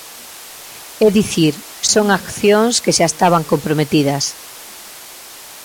É dicir, son accións que xa estaban comprometidas.